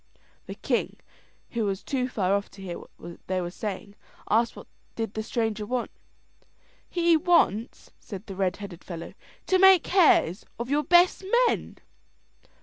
The king, who was too far off to hear what they were saying, asked what did the stranger want. "He wants," says the red headed fellow, "to make hares of your best men."